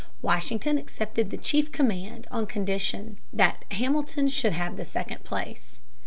Washington accepted the chief command on condition that Hamilton should have the second place.